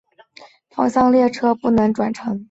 不能转乘反方向列车。